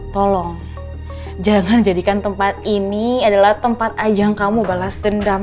tolong jangan jadikan tempat ini adalah tempat ajang kamu balas dendam